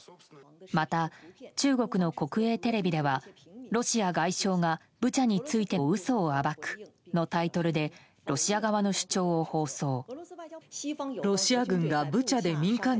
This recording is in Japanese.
また、中国の国営テレビではロシア外相がブチャについての嘘を暴くのタイトルでロシア側の主張を放送。